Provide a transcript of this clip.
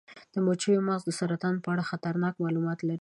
د مچیو مغز د سرطان په اړه ارزښتناک معلومات لري.